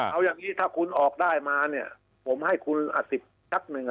เรื่องนี้ถ้าคุณออกได้มาผมให้คุณสิบชักนึง